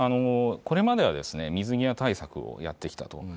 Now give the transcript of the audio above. これまでは水際対策をやってきたと。